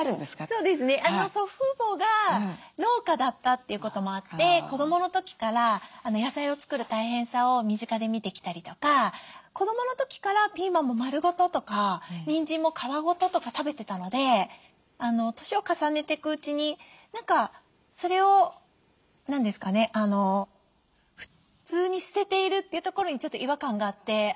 そうですね祖父母が農家だったということもあって子どもの時から野菜を作る大変さを身近で見てきたりとか子どもの時からピーマンも丸ごととかにんじんも皮ごととか食べてたので年を重ねていくうちに何かそれを何ですかね普通に捨てているっていうところにちょっと違和感があって。